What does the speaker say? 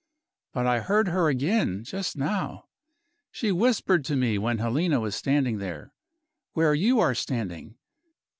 But I heard her again, just now. She whispered to me when Helena was standing there where you are standing.